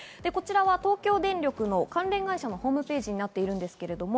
こちらは東京電力の関連会社のホームページになっています。